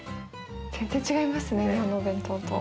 全然違いますね日本のお弁当と。